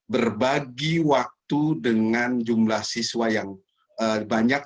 berbagi waktu dengan jumlah siswa yang banyak